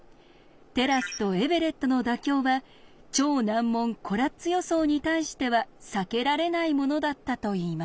テラスとエベレットの妥協は超難問コラッツ予想に対しては避けられないものだったといいます。